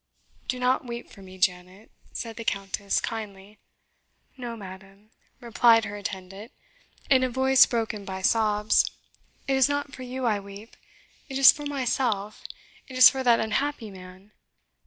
"Do not weep for me, Janet," said the Countess kindly. "No, madam," replied her attendant, in a voice broken by sobs, "it is not for you I weep; it is for myself it is for that unhappy man.